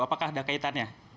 apakah ada kaitannya